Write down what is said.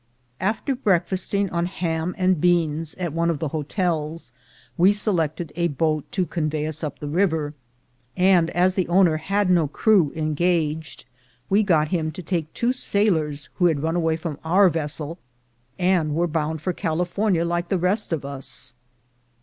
After breakfasting on ham and beans at one of the hotels, we selected a boat to convey us up the river; and as the owner had no crew engaged, we got him to take two sailors who had run away from our vessel, and were bound for California like the rest of us.